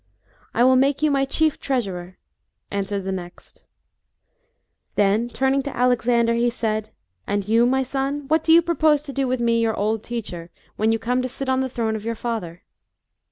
" I will make you my chief treasurer/' answered the next. Then Jburning to* Alexander he said, " And you, my son, what do you propose to do with me, your old teacher^ when you come to sit on the throne of your father